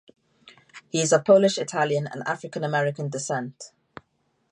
He is of Polish, Italian and African-American descent.